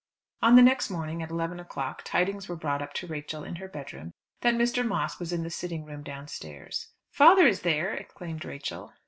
On the next morning at eleven o'clock tidings were brought up to Rachel in her bedroom that Mr. Moss was in the sitting room downstairs. "Father is there?" exclaimed Rachel.